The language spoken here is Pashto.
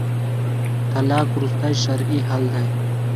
طلاق وروستی شرعي حل دی